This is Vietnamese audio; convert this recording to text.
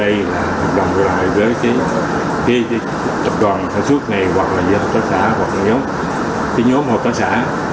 đây là hợp đồng gọi lại với cái tập đoàn sản xuất này hoặc là giá hộp tác xã hoặc là nhóm hộp tác xã